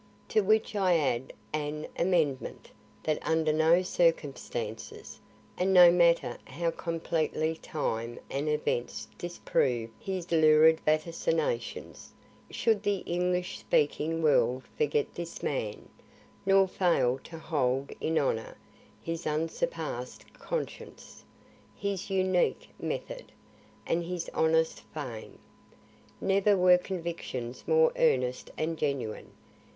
To which I add an amendment that under no circumstances, and no matter how completely time and events disprove his lurid vaticinations, should the English speaking world forget this man, nor fail to hold in honor his unsurpass'd conscience, his unique method, and his honest fame. Never were convictions more earnest and genuine.